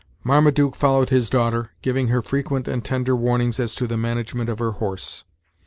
Marmaduke followed his daughter, giving her frequent and tender warnings as to the management of her horse.